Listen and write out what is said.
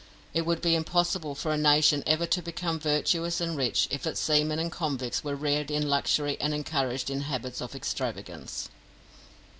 It would be impossible for a nation ever to become virtuous and rich if its seamen and convicts were reared in luxury and encouraged in habits of extravagance.